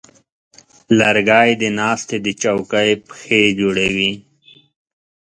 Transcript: لرګی د ناستې د چوکۍ پښې جوړوي.